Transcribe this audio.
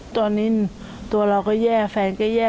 ตอนนี้ตัวเราก็แย่แฟนก็แย่